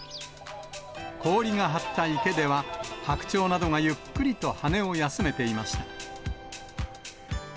氷が張った池では、白鳥などがゆっくりと羽を休めていました。